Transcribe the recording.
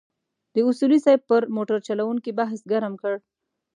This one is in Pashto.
د اصولي صیب پر موټرچلونې بحث ګرم کړ.